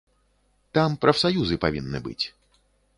Там прафсаюзы павінны быць.